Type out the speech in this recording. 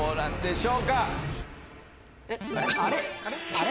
あれ？